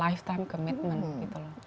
itu komitmen seumur hidup